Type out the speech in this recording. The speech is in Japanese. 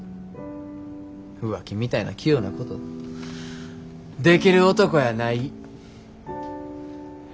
浮気みたいな器用なことできる男やない。